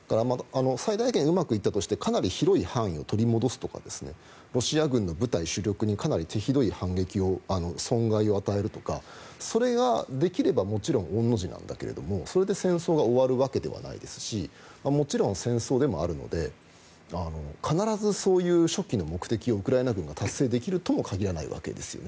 最大限うまくいったとしてかなり広い範囲を取り戻すとかロシア軍の部隊主力にかなり手ひどい損害を与えるとかそれができればもちろん御の字なんだけどそれで戦争が終わるわけではないですしもちろん戦争でもあるので必ずそういう初期の目標をウクライナ軍が達成できるとも限らないわけですよね。